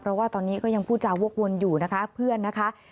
เพราะว่าตอนนี้ก็ยังพูดจาวกวนอยู่นะคะเพื่อนนะคะ